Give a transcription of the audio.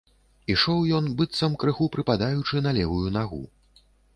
Ішоў ён, быццам крыху прыпадаючы на левую нагу.